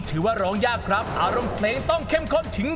ยืนอยู่ตรงประตู